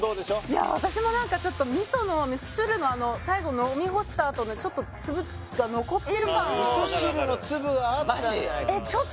いや私も何かちょっと味噌の味噌汁の最後飲み干したあとのちょっと粒が残ってる感を味噌汁の粒があったんじゃないかマジ？